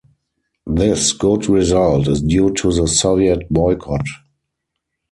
This good result is due to the Soviet boycott.